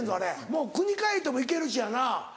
もう国変えても行けるしやな。